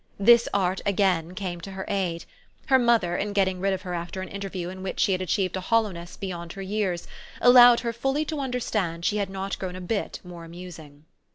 This art again came to her aid: her mother, in getting rid of her after an interview in which she had achieved a hollowness beyond her years, allowed her fully to understand she had not grown a bit more amusing.